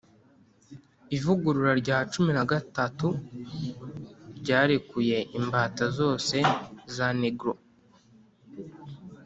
ivugurura rya cumi na gatatu ryarekuye imbata zose za negro.